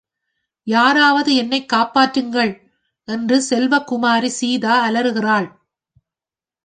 யாராவது என்னேக் காப்பாற்றுங்கள்! என்று செல்வக்குமாரி சீதா அலறுகிறாள்.